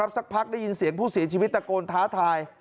สักพักได้ยินเสียงผู้เสียชีวิตตะโกนท้าทาย